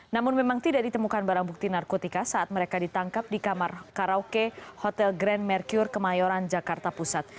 namun memang tidak ditemukan barang bukti narkotika saat mereka ditangkap di kamar karaoke hotel grand mercure kemayoran jakarta pusat